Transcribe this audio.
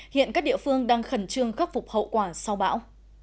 hiện các địa phương đang khẩn trương khắc phục hậu quả sau bão